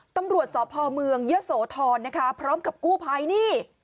ตำรวจสพเมืองเยอะโสธรนะคะพร้อมกับกู้ภัยนี่